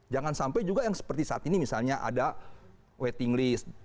jangan sampai juga yang seperti saat ini misalnya ada waiting list